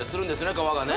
皮がね